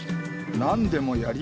「なんでもやります